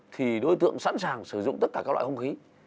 thì đối tượng sẵn sàng sử dụng tất cả các loại hung khí